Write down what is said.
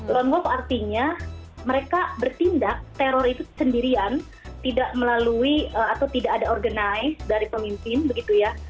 lone wolf artinya mereka bertindak teror itu sendirian tidak melalui atau tidak ada organize dari pemimpin begitu ya